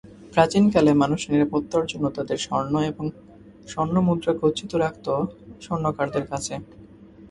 প্রাচীনকালে মানুষ নিরাপত্তার জন্য তাদের স্বর্ণ এবং স্বর্ণমুদ্রা গচ্ছিত রাখত স্বর্ণকারদের কাছে।